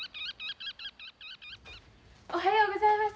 おはようございます。